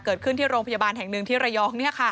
เกิดขึ้นที่โรงพยาบาลแห่งหนึ่งที่ระยอง